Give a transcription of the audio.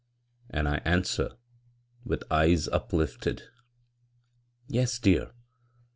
And I answer, with eyes uplifted, "Yes, dear!